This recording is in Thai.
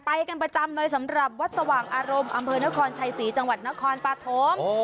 ไปกันประจำเลยสำหรับวัดสว่างอารมณ์อำเภอนครชัยศรีจังหวัดนครปฐม